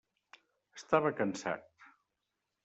Estava cansat.